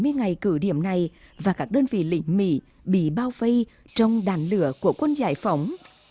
bảy mươi ngày cử điểm này và các đơn vị lĩnh mỹ bị bao vây trong đàn lửa của quân giải phóng